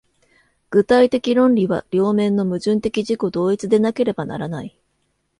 具体的論理は両面の矛盾的自己同一でなければならない。